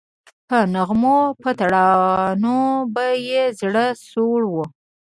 په نغمو په ترانو به یې زړه سوړ وو